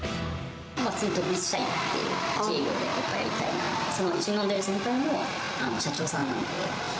独立したいっていう、自営業でやっぱやりたいなって、その一緒に飲んでた先輩も社長さんなんで。